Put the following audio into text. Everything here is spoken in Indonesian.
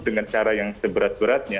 dengan cara yang seberat beratnya